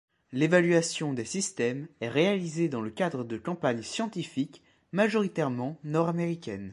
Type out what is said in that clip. L'évaluation des systèmes est réalisée dans le cadre de campagnes scientifiques majoritairement Nord Américaines.